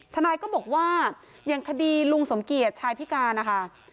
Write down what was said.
ทนายก็บอกว่าอย่างคดีลุงสมเกียจชายพิการนะคะ